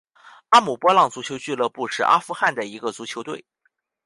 阿姆波浪足球俱乐部是阿富汗的一个足球队。